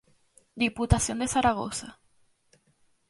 Diputación de Zaragoza-.